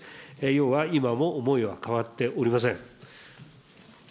要は今も思いは変わっておりません。